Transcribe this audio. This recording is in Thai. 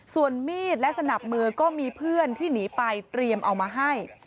ส่วนมีดและสนับมือก็มีเพื่อนที่หนีไปเตรียมเอามาให้